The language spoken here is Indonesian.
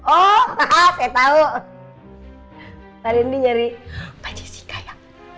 oh saya tau pak rendy nyari pak jessica ya